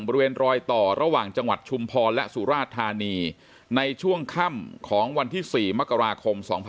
บริเวณรอยต่อระหว่างจังหวัดชุมพรและสุราชธานีในช่วงค่ำของวันที่๔มกราคม๒๕๖๒